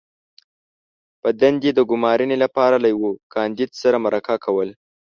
-په دندې د ګمارنې لپاره له یوه کاندید سره مرکه کول